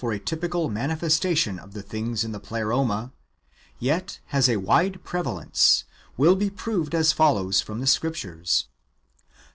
209 a typical manifestation of the things in the Pleroma, [yet has a wide prevalence/] will he proved as follows from the Scriptures.